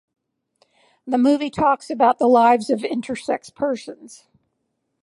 The movie talks about the lives of intersex persons.